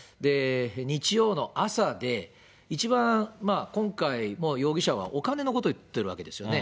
日曜の朝で、一番、今回も容疑者はお金のことを言ってるわけですよね。